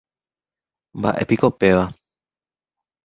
¿Mbaʼépiko péva?